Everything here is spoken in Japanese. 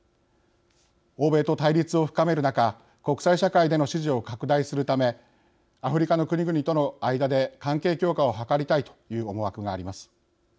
欧米と対立を深める中国際社会での支持を拡大するためアフリカの国々との間で関係強化を図りたいという思惑があります。